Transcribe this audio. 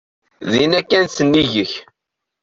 Dinna kan sennig-k.